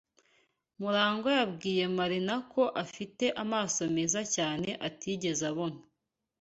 MuragwA yabwiye Marina ko afite amaso meza cyane atigeze abona.